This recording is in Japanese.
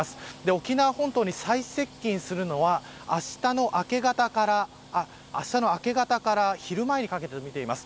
沖縄本島に最接近するのはあしたの明け方から昼前にかけてです。